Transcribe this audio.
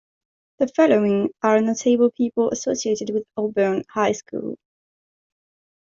The following are notable people associated with Auburn High School.